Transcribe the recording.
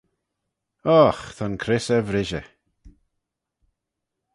Ogh! Ta'n cryss er vrishey.